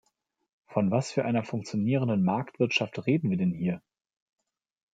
Von was für einer funktionierenden Marktwirtschaft reden wir denn hier?